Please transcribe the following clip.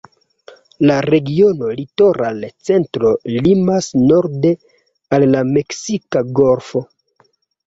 La regiono "Litoral Centro" limas norde al la Meksika Golfo.